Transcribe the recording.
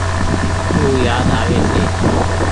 او يآد آوي ڇي۔